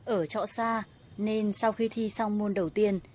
ở trọ xa nên sau khi thi xong môn đầu tiên